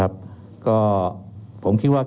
ครับก็เดี๋ยวเชิญพี่น้องสมุทรจะสอบถามไหม